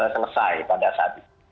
selesai pada saat ini